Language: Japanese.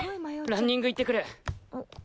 ランニング行ってくる。